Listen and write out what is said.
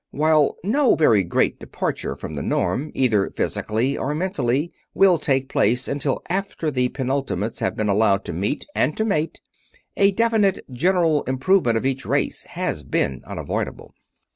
While no very great departure from the norm, either physically or mentally, will take place until after the penultimates have been allowed to meet and to mate, a definite general improvement of each race has been unavoidable.